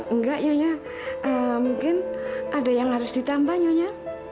enggaknya mungkin ada yang harus ditambahnya